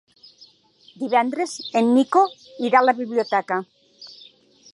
Divendres en Nico irà a la biblioteca.